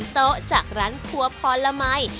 ที่ร้านของของลำไสนิ้ว